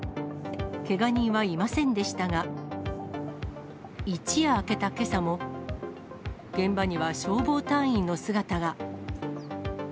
けが人はいませんでしたが、一夜明けたけさも、現場には消防隊員の姿が。